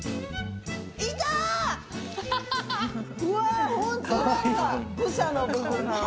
うわー、ほんとなんかブサの部分が。